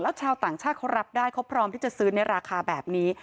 ชาวต่างชาติเขารับได้เขาพร้อมที่จะซื้อในราคาแบบนี้